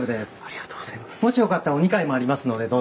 もしよかったらお二階もありますのでどうぞ。